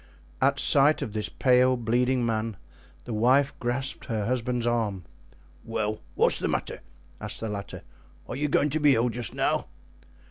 At sight of this pale, bleeding man, the wife grasped her husband's arm. "Well, what's the matter?" asked the latter, "are you going to be ill just now?"